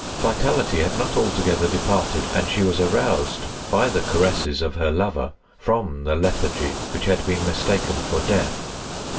Vitality had not altogether departed, and she was aroused by the caresses of her lover from the lethargy which had been mistaken for death.